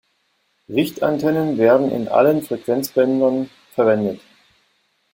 Richtantennen werden in allen Frequenzbändern verwendet.